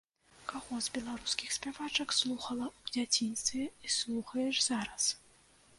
Каго з беларускіх спявачак слухала ў дзяцінстве і слухаеш зараз?